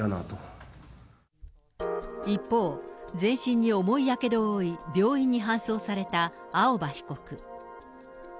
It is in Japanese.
一方、全身に重いやけどを負い、病院に搬送された青葉被告。